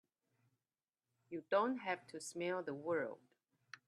You don't have to smell the world!